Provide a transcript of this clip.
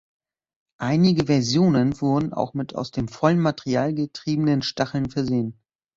Einige Versionen wurden auch mit aus dem vollen Material getriebenen Stacheln versehen.